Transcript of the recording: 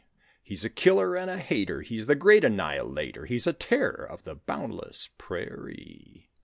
He's a killer and a hater! He's the great annihilator! He's a terror of the boundless prairie.